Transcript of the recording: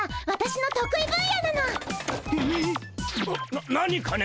な何かね